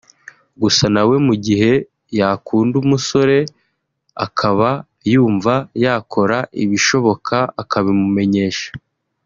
gusa nawe mu gihe yakunda umusore akaba yumva yakora ibishoboka akabimumenyesha